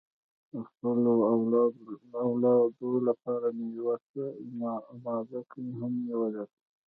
د خپلو اولادو لپاره مې یو څه اماده ګي هم نیولې ده.